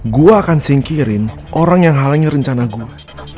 gua akan singkirin orang yang halangi rencana gua